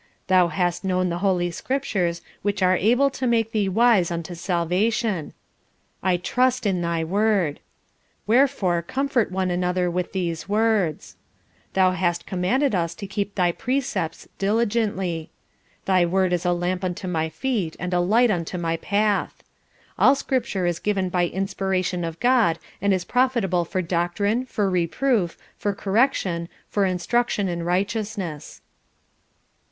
"Thou hast known the Holy Scriptures, which are able to make thee wise unto salvation." "I trust in thy Word." "Wherefore comfort one another with these words." "Thou hast commanded us to keep thy precepts diligently." "Thy word is a lamp unto my feet and a light unto my path." "All Scripture is given by inspiration of God and is profitable for doctrine, for reproof, for correction, for instruction in righteousness."